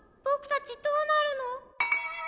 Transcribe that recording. たちどうなるの？